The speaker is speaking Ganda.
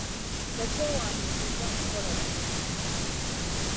Twetwewandiisizza kukola bigezo.